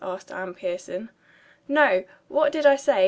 asked Anne Pierson. "No, what did I say?"